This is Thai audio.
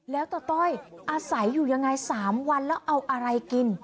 แล้วตาต้อยอาศัยอยู่ยังไง๓วันแล้วเอาอะไรกิน